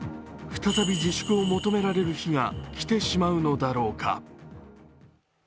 再び自粛を求められる日が着てしまうのだろうか。